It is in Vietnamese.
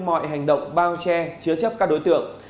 mọi hành động bao che chứa chấp các đối tượng